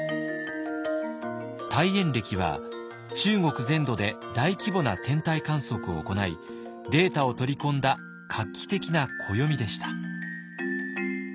大衍暦は中国全土で大規模な天体観測を行いデータを取り込んだ画期的な暦でした。